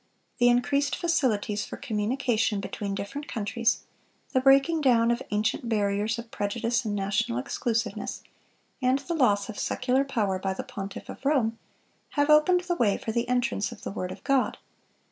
The increased facilities for communication between different countries, the breaking down of ancient barriers of prejudice and national exclusiveness, and the loss of secular power by the pontiff of Rome, have opened the way for the entrance of the word of God.